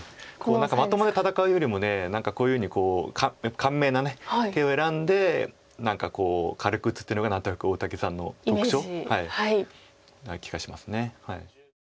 まともに戦うよりも何かこういうふうに簡明な手を選んで何か軽く打つっていうのが何となく大竹さんの特徴な気がします。